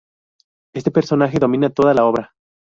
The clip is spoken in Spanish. Este personaje domina toda la obra.